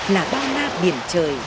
là bao la biển trời